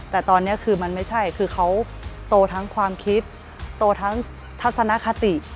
แต่ตอนนี้คือมันไม่ใช่คือเขาโตทั้งความคิดโตทั้งทัศนคติ